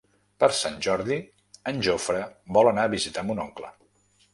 Per Sant Jordi en Jofre vol anar a visitar mon oncle.